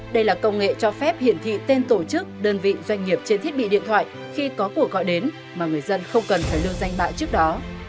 đây là công nghệ cho phép hiển thị tên tổ chức đơn vị doanh nghiệp trên thiết bị điện thoại khi có cuộc gọi đến mà người dân không cần phải lưu danh bạ trước đó